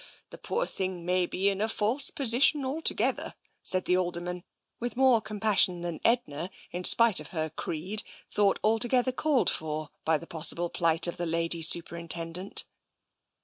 The poor thing may be in a false position altogether," said the Alderman, with more compassion than Edna, in spite of her creed, thought altogether called for by the possible plight of the Lady Superintendent.